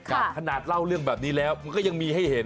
ขนาดเล่าเรื่องแบบนี้แล้วมันก็ยังมีให้เห็น